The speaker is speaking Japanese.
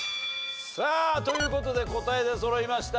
さあという事で答え出そろいました。